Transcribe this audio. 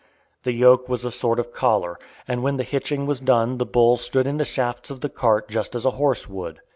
The yoke was a sort of collar, and when the hitching was done the bull stood in the shafts of the cart just as a horse would.